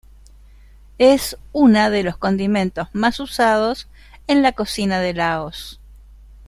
Es una de los condimentos más usados en la cocina de Laos.